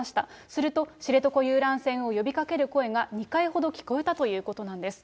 すると、知床遊覧船を呼びかける声が２回ほど聞こえたということなんです。